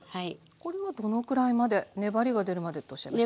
これはどのくらいまで粘りが出るまでっておっしゃいました。